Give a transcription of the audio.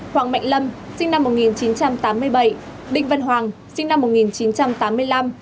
hoàng mạnh lâm sinh năm một nghìn chín trăm tám mươi bảy đinh văn hoàng sinh năm một nghìn chín trăm tám mươi năm